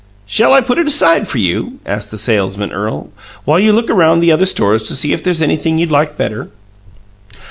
"Shall I put it aside for you," asked the salesman earl, "while you look around the other stores to see if there's anything you like better?"